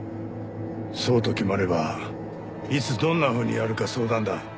そうと決まればいつどんなふうにやるか相談だ。